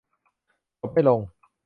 จบไม่ลง